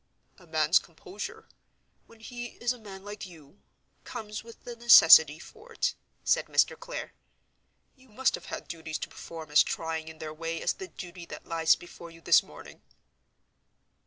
"A man's composure—when he is a man like you—comes with the necessity for it," said Mr. Clare. "You must have had duties to perform as trying in their way as the duty that lies before you this morning."